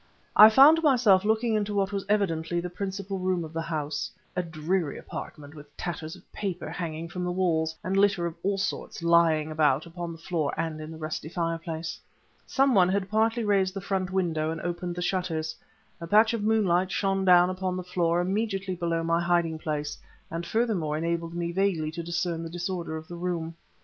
I found myself looking into what was evidently the principal room of the house a dreary apartment with tatters of paper hanging from the walls and litter of all sorts lying about upon the floor and in the rusty fireplace. Some one had partly raised the front window and opened the shutters. A patch of moonlight shone down upon the floor immediately below my hiding place and furthermore enabled me vaguely to discern the disorder of the room.